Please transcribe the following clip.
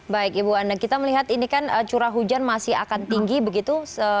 baik ibu anda kita melihat ini kan curah hujan masih akan tinggi begitu